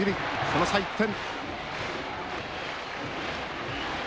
その差１点。